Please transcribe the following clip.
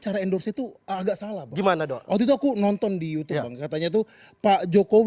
cara endorse itu agak salah bagaimana dong waktu itu aku nonton di youtube katanya tuh pak jokowi